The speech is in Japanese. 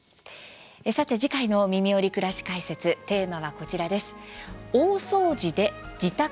さて次回の「みみより！くらし解説」テーマはこちらです。